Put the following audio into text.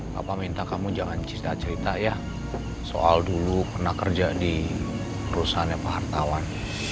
papa minta kamu jangan cerita cerita ya soal dulu pernah kerja di perusahaan yang pahar tawan